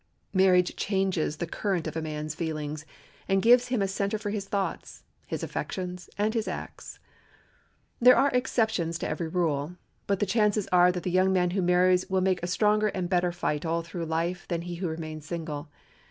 Marriage changes the current of a man's feelings, and gives him a center for his thoughts, his affections, and his acts. There are exceptions to every rule; but the chances are that the young man who marries will make a stronger and better fight all through life than he who remains single.